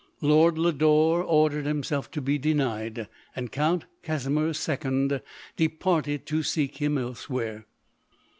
Lord Lodore ordered himself to be denied, and Count Casi mir's second departed to seek him elsewhere.